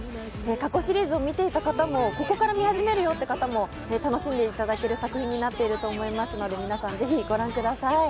過去シリーズを見ていた方も、ここから見始めるよという方も楽しんでいただける作品になっていると思いますので、皆さんぜひご覧ください。